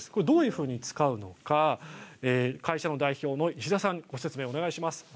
どういうふうに使うのか会社の代表の石田さんご説明お願いします。